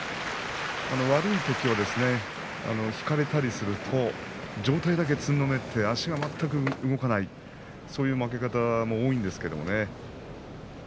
悪いときは引かれたりすると上体だけつんのめって、足が全く動かない、そういう負け方も多いんですけれどね。